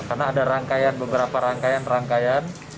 karena ada rangkaian beberapa rangkaian rangkaian